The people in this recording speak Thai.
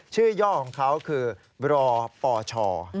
ชื่อย่อของเขาคือบรปช